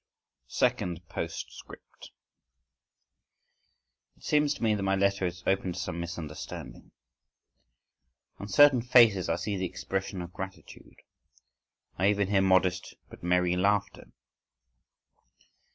… Second Postscript It seems to me that my letter is open to some misunderstanding. On certain faces I see the expression of gratitude; I even hear modest but merry laughter.